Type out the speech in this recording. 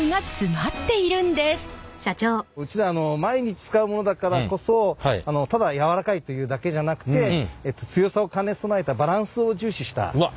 うちでは毎日使うものだからこそただ柔らかいというだけじゃなくて強さを兼ね備えたバランスを重視したティッシュを作っております。